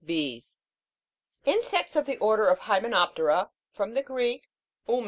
Insects of the order of Hymenop'tera (from the Greek, *u?